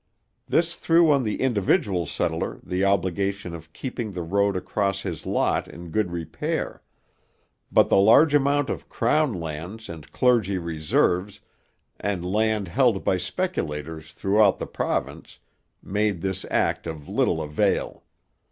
This threw on the individual settler the obligation of keeping the road across his lot in good repair; but the large amount of crown lands and clergy reserves and land held by speculators throughout the province made this act of little avail.